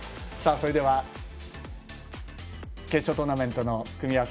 決勝トーナメントの組み合わせ